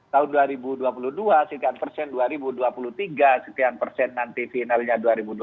tahun dua ribu dua puluh dua sekian persen dua ribu dua puluh tiga sekian persen nanti finalnya dua ribu dua puluh empat